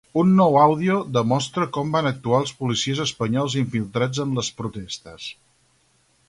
Un nou àudio demostra com van actuar els policies espanyols infiltrats en les protestes.